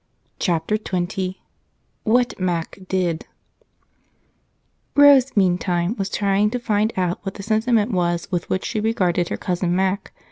Chapter 20 WHAT MAC DID Rose, meantime, was trying to find out what the sentiment was with which she regarded her cousin Mac.